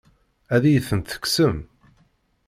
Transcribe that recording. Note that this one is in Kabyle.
Ad iyi-ten-tekksem?